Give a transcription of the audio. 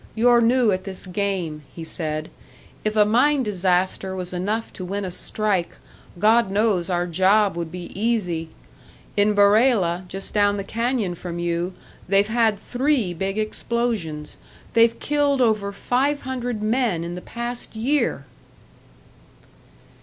"You're new at this game," he said. "If a mine disaster was enough to win a strike, God knows our job would be easy. In Barela, just down the canyon from you, they've had three big explosions they've killed over five hundred men in the past year!"